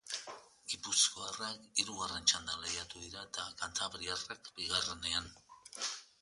Gipuzkoarrak hirugarren txandan lehiatu dira eta kantabriarrak bigarrenean.